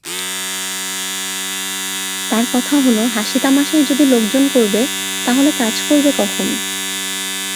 তাঁর কথা হল-হাসি তামাশাই যদি লোকজন করবে তাহলে কাজ করবে কখন?